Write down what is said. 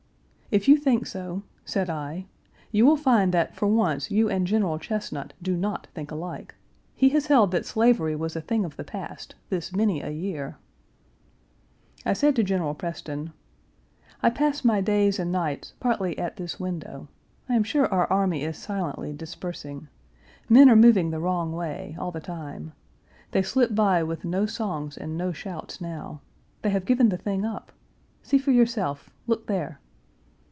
"If you think so," said I, "you will find that for once you and General Chesnut do not think alike. He has held that slavery was a thing of the past, this many a year." I said to General Preston: "I pass my days and nights partly at this window. I am sure our army is silently dispersing. Men are moving the wrong way, all the time. They slip by with no songs and no shouts now. They have given the thing up. See for yourself. Look there."